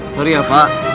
sorry ya pak